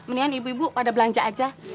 mendingan ibu ibu pada belanja aja